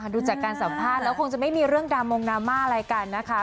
ดูจากการสัมภาษณ์แล้วคงจะไม่มีเรื่องดามงดราม่าอะไรกันนะคะ